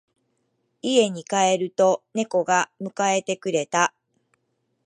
家に帰ると猫が迎えてくれた。